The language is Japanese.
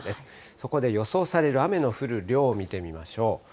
そこで予想される雨の降る量見てみましょう。